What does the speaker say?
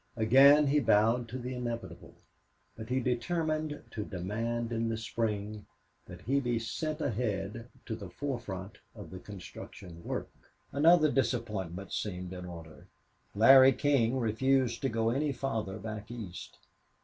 Again he bowed to the inevitable. But he determined to demand in the spring that he be sent ahead to the forefront of the construction work. Another disappointment seemed in order. Larry King refused to go any farther back east.